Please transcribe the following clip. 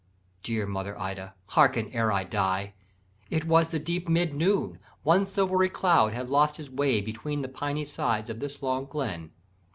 "'Dear mother Ida, harken ere I die. It was the deep mid noon: one silvery cloud Had lost his way between the piney sides Of this long glen.